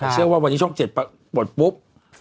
ชื่อว่าวันนี้ละปนปุ๊บ